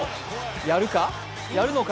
やるか、やるのか？